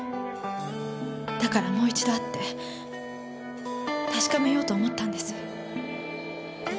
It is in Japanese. だからもう一度会って確かめようと思ったんです。